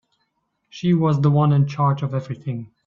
She was the one in charge of everything.